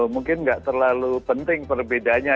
mungkin nggak terlalu penting perbedanya